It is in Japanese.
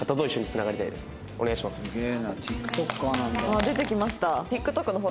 あっ出てきました。